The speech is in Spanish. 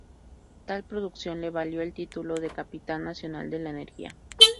Tal producción le valió el título de "Capital Nacional de la Energía".